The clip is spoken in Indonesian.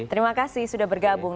terima kasih sudah bergabung